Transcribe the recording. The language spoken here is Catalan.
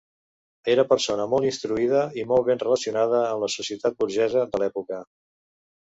Era persona molt instruïda i molt ben relacionada en la societat burgesa de l'època.